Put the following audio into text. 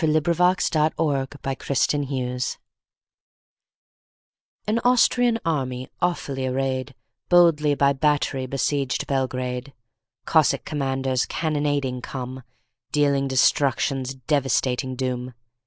Y Z The Siege of Belgrade AN Austrian army, awfully arrayed, Boldly by battery besieged Belgrade. Cossack commanders cannonading come, Dealing destruction's devastating doom.